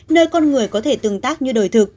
nơi con người có thể tương tác như đời thực